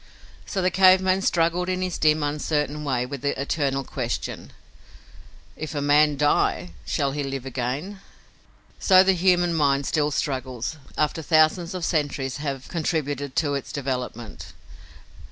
So the cave man struggled in his dim, uncertain way with the eternal question: "If a man die shall he live again?" So the human mind still struggles, after thousands of centuries have contributed to its development.